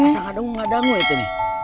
masa gak denger ngadangu itu nih